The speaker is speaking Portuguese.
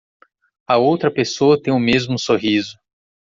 A outra pessoa tem o mesmo sorriso